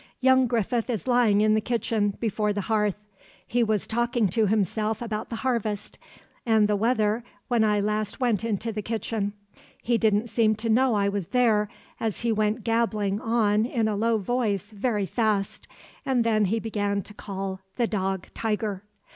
Young Griffith is lying in the kitchen, before the hearth. He was talking to himself about the harvest and the weather when I last went into the kitchen. He didn't seem to know I was there, as he went gabbling on in a low voice very fast, and then he began to call the dog, Tiger.